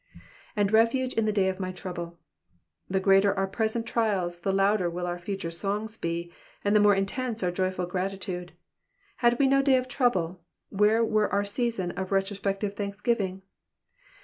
^^And refuge in the day of my trouble.'''' The greater our present trials the louder will our future songs be, and the more intense our joyful gratitude. Had we no day of trouble, where were our season of retrospective thanksgiving